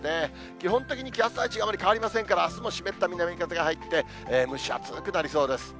基本的に気圧配置があまり変わりませんから、あすも湿った南風が入って、蒸し暑くなりそうです。